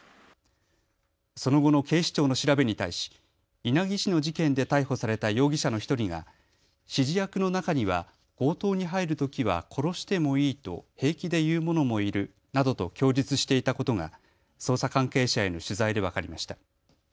その後の警視庁の調べに対し稲城市の事件で逮捕された容疑者の１人が指示役の中には強盗に入るときは殺してもいいと平気で言う者もいるなどと供述していたことが捜査関係者への取材で分かりました。